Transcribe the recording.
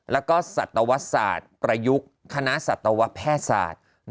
แล้วก็สัตวศาสตร์ประยุกต์คณะสัตวแพทย์ศาสตร์